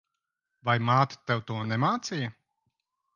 Vai māte tev to nemācīja?